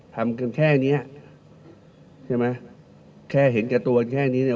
ทำแค่นี้ใช่ไหมแค่เห็นกับตัวแค่นี้